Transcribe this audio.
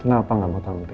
kenapa gak mau tampil